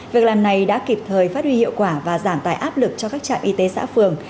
việc làm này đã kịp thời phát huy hiệu quả và giảm tài áp lực cho các trạm y tế xã phường